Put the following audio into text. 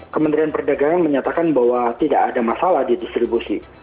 kementerian perdagangan menyatakan bahwa tidak ada masalah di distribusi